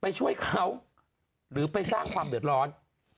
ไปช่วยเขาหรือไปสร้างความเดือดร้อน